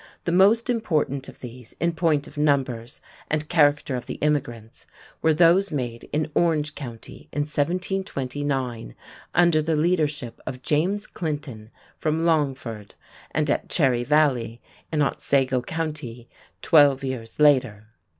The most important of these, in point of numbers and character of the immigrants, were those made in Orange County in 1729 under the leadership of James Clinton from Longford, and at Cherry Valley, in Otsego County, twelve years later.